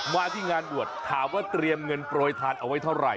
มาที่งานบวชถามว่าเตรียมเงินโปรยทานเอาไว้เท่าไหร